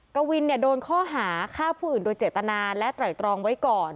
กวินโดนข้อหาฆ่าผู้อื่นโดยเจตนาและไตรตรองไว้ก่อน